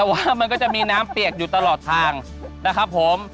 แต่ว่ามันก็จะมีน้ำเปียกอยู่ตลอดทางนะครับผม